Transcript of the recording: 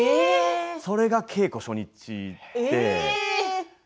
それが稽古初日で。